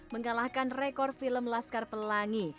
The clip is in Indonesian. mengalahkan rekor film laskar pelangi